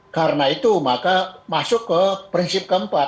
karena itu maka masuk ke prinsip keempat